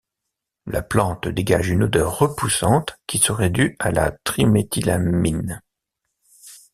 La plante dégage une odeur repoussante qui serait due à la triméthylamine.